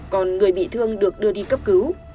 còn người bị thương được đưa đi cấp cứu